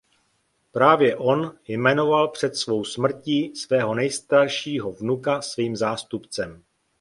Právě on jmenoval před svou smrtí svého nejstaršího vnuka svým nástupcem.